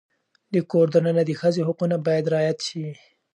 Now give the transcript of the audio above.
د کور دننه د ښځې حقونه باید رعایت شي.